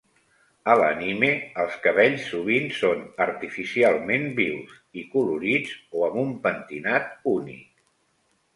A l'anime, els cabells sovint són artificialment vius i colorits, o amb un pentinat únic.